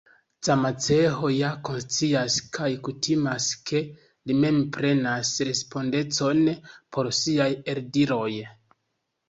Camacho ja konscias kaj kutimas ke li mem prenas respondecon por siaj eldiroj.